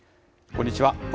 こんにちは。